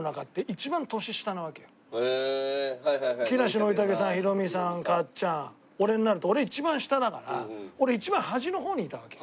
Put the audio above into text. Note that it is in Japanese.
で俺木梨憲武さんヒロミさんかっちゃん俺になると俺一番下だから俺一番端の方にいたわけよ。